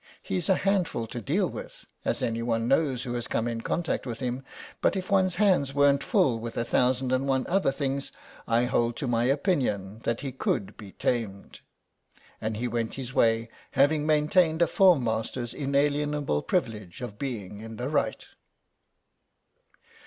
He's a handful to deal with, as anyone knows who has come in contact with him, but if one's hands weren't full with a thousand and one other things I hold to my opinion that he could be tamed." And he went his way, having maintained a form master's inalienable privilege of being in the right.